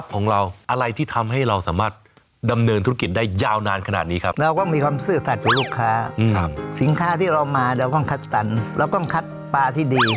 สิ่งค่าที่เราเอามาเราก็ต้องคัดตันเราก็ต้องคัดปลาที่ดี